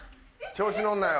調子乗るなよ。